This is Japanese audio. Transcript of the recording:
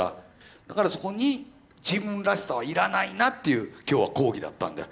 だからそこに自分らしさは要らないなっていう今日は講義だったんだよ。